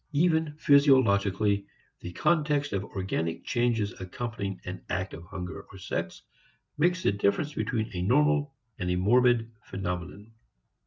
Even physiologically the context of organic changes accompanying an act of hunger or sex makes the difference between a normal and a morbid phenomenon.